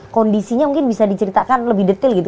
kondisinya mungkin bisa diceritakan lebih detail gitu